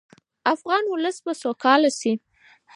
افغان ولس به سوکاله شي.